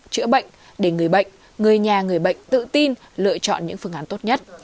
chữa bệnh để người bệnh người nhà người bệnh tự tin lựa chọn những phương án tốt nhất